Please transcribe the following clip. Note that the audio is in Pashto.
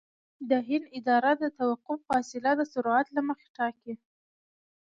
د هند اداره د توقف فاصله د سرعت له مخې ټاکي